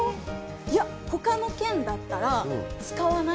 他の県だったら使わない。